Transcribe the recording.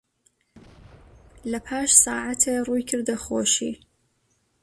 لەپاش سەعاتێ ڕووی کردە خۆشی